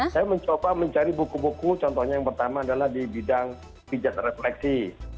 saya mencoba mencari buku buku contohnya yang pertama adalah di bidang pijat refleksi